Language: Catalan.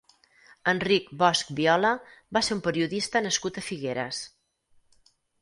Enric Bosch Viola va ser un periodista nascut a Figueres.